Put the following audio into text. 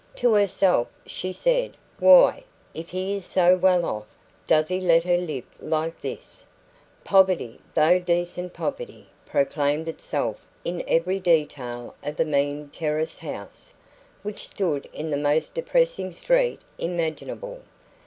To herself she said: 'Why, if he is so well off, does he let her live like this?" Poverty though decent poverty proclaimed itself in every detail of the mean terrace house, which stood in the most depressing street imaginable.